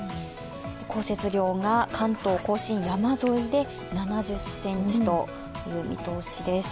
降雪量が関東甲信山沿いで７０ｃｍという見通しです。